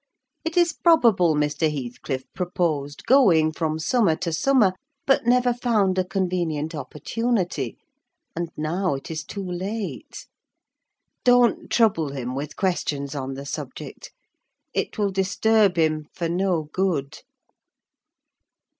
It is probable Mr. Heathcliff proposed going from summer to summer, but never found a convenient opportunity; and now it is too late. Don't trouble him with questions on the subject: it will disturb him, for no good."